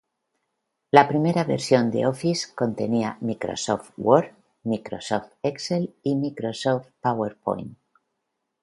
La primera versión de "Office" contenía "Microsoft Word", "Microsoft Excel" y "Microsoft PowerPoint".